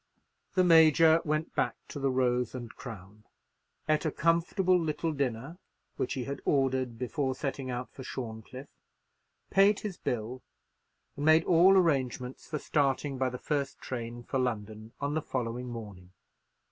The Major went back to the Rose and Crown, ate a comfortable little dinner, which he had ordered before setting out for Shorncliffe, paid his bill, and made all arrangements for starting by the first train for London on the following morning.